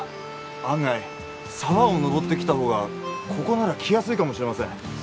案外沢を登ってきたほうがここなら来やすいかもしれません。